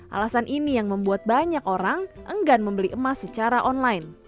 alasan ini yang membuat banyak orang enggan membeli emas secara online